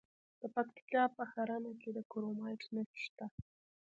د پکتیکا په ښرنه کې د کرومایټ نښې شته.